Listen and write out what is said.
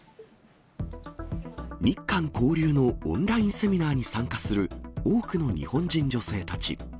日韓交流のオンラインセミナーに参加する多くの日本人女性たち。